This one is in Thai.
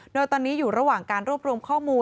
โดยตอนนี้อยู่ระหว่างการรวบรวมข้อมูล